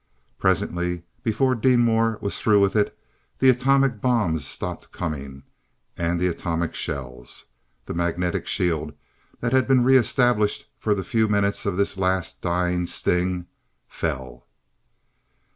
Presently, before Deenmor was through with it, the atomic bombs stopped coming, and the atomic shells. The magnetic shield that had been re established for the few minutes of this last, dying sting, fell.